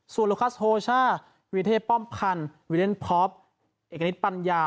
ส่วนโลคัสโฮช่าวิเทศป้อมพันธ์วิเลนพอปเอกณิตปัญญา